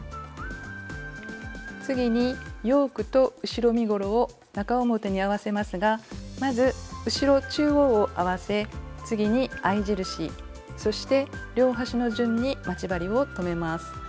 次にヨークと後ろ身ごろを中表に合わせますがまず後ろ中央を合わせ次に合い印そして両端の順に待ち針を留めます。